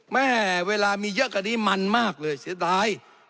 เวลามีเยอะกว่านี้มันมากเลยเสียดาย